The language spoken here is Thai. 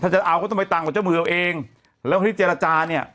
ถ้าจะเอาก็ต้องไปต่างกว่าเจ้ามือเอาเองแล้วที่เจรจาเนี้ย